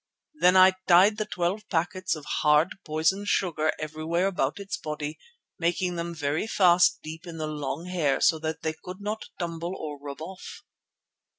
Then I tied the twelve packets of hard poison sugar everywhere about its body, making them very fast deep in the long hair so that they could not tumble or rub off.